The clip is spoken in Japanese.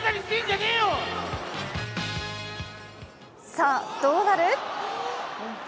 さあ、どうなる？